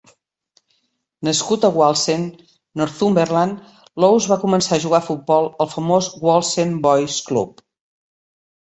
Nascut a Wallsend, Northumberland, Laws va començar a jugar a futbol al famós Wallsend Boys Club.